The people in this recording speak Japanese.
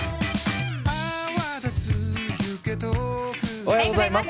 おはようございます。